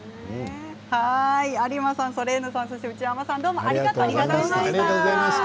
有馬さんソレーヌさん、内山さんありがとうございました。